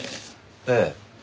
ええ。